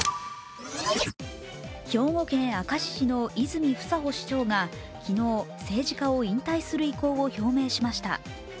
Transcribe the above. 兵庫県明石市の泉房穂市長が昨日、政治家を引退する意向を表明しました。